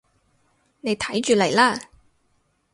你睇住嚟啦